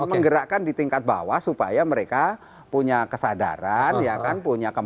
menggerakkan di tingkat bawah supaya mereka punya kesadaran ya kan punya kemampuan